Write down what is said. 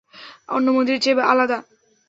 অন্য মন্দিরের চেয়ে আলাদা।